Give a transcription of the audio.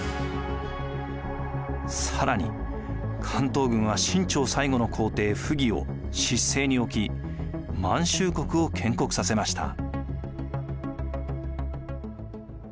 更に関東軍は清朝最後の皇帝溥儀を執政に置き満州国を建国させました。